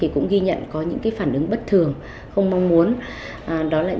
cũng ghi nhận có những phản ứng bất thường không mong muốn